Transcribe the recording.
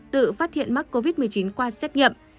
tự phát hiện mắc covid một mươi chín qua xét nghiệm